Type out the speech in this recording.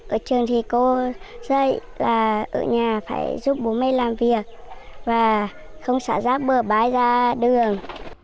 ở trường thì cô dạy là ở nhà phải giúp bố mẹ làm việc và không xả rác bừa bãi ra đường